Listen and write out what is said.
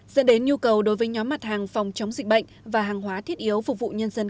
dẫn đến nhu cầu đối với nhóm mặt hàng phòng chống dịch bệnh và hàng hóa thiết yếu phục vụ nhân dân